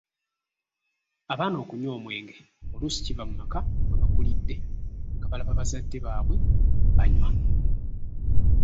Abaana okunywa omwenge oluusi kiva mu maka mwe bakulidde nga balaba bazadde baabwe banywa.